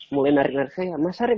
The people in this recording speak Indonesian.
mulai narik narik saya mas arief